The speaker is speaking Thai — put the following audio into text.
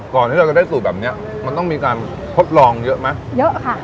ที่เราจะได้สูตรแบบเนี้ยมันต้องมีการทดลองเยอะไหมเยอะค่ะ